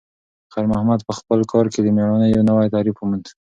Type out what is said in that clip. خیر محمد په خپل کار کې د میړانې یو نوی تعریف وموند.